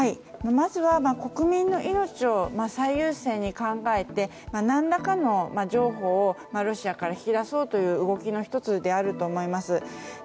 まず、国民の命を最優先に考えて、何らかの譲歩をロシアから引き出そうという動きの１つであると思います。